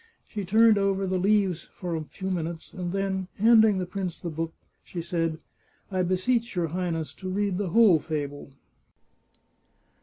She turned over the leaves for a few minutes, and then, handing the prince the book, she said :" I beseech your Highness to read the whole fable."